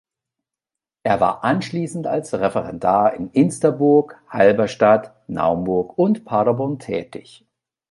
Er war anschließend als Referendar in Insterburg, Halberstadt, Naumburg und Paderborn tätig.